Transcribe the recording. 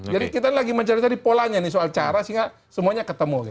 kita lagi mencari cari polanya nih soal cara sehingga semuanya ketemu